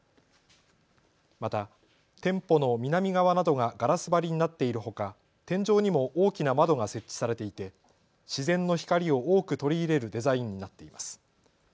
また店舗の南側などがガラス張りになっているほか天井にも大きな窓が設置されていて自然の光を多く取り入れるデザインになっています。